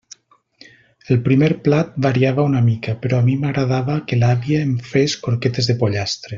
El primer plat variava una mica, però a mi m'agradava que l'àvia em fes croquetes de pollastre.